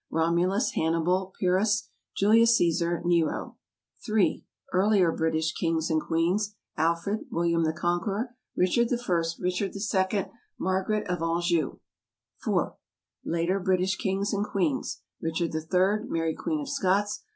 _ ROMULUS. HANNIBAL. PYRRHUS. JULIUS CÆSAR. NERO. III. Earlier British Kings and Queens. ALFRED. WILLIAM THE CONQUEROR. RICHARD I. RICHARD II. MARGARET OF ANJOU. IV. Later British Kings and Queens. RICHARD III. MARY QUEEN OF SCOTS.